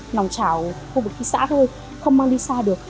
nòng trào khu vực thị xã thôi không mang đi xa được